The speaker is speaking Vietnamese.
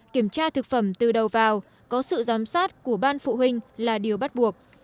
kiểm tra thực phẩm từ đầu vào có sự giám sát của ban phụ huynh là điều bắt buộc